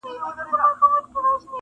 تۀ ورســـره یاره قــدرې مــــۀ راڅـه